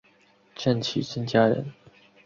郑琦郑家人。